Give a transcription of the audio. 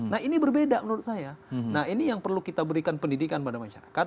nah ini berbeda menurut saya nah ini yang perlu kita berikan pendidikan pada masyarakat